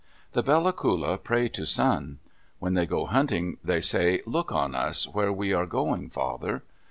The Bella Coola pray to Sun. When they go hunting they say, "Look on us, where we are going, Father."